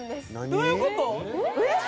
どういうこと？